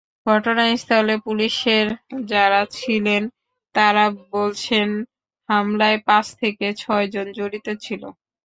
ঘটনাস্থলে পুলিশের যাঁরা ছিলেন, তাঁরা বলছেন, হামলায় পাঁচ থেকে ছয়জন জড়িত ছিল।